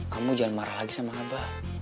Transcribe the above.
kamu jangan marah lagi sama abah